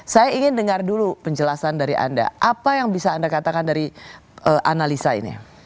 saya ingin dengar dulu penjelasan dari anda apa yang bisa anda katakan dari analisa ini